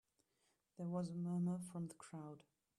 There was a murmur from the crowd.